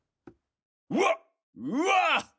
うわっうわ！